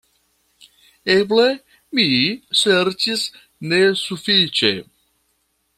Eble mi serĉis nesufiĉe.